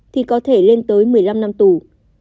thì có thể lên tới một mươi năm năm tù